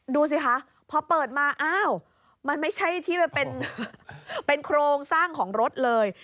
ดูสิคะพอเปิดมาอ้าวมันไม่ใช่ที่เป็นโครงสร้างของรถเลย